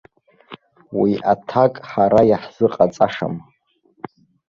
Уи аҭак ҳара иаҳзыҟаҵашам.